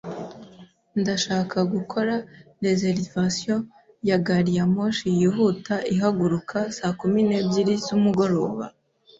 Ndashaka gukora reservation ya gari ya moshi yihuta ihaguruka saa kumi n'ebyiri z'umugoroba